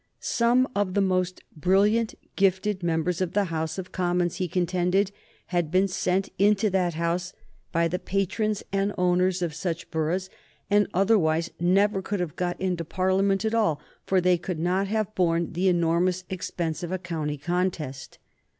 Some of the most brilliant, gifted members of the House of Commons, he contended, had been sent into that House by the patrons and owners of such boroughs, and otherwise never could have got into Parliament at all, for they could not have borne the enormous expense of a county contest.